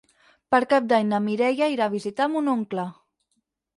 Per Cap d'Any na Mireia irà a visitar mon oncle.